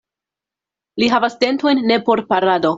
Li havas dentojn ne por parado.